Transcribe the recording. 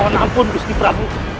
mohon ampun bukti prabu